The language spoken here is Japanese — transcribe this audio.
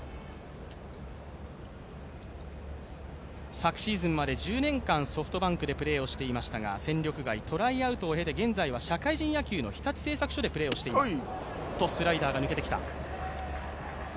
昨シーズンまで１０年間ソフトバンクでプレーしていましたが戦力外、トライアウトを経て現在は社会人野球の日立製作所でプレーをしています。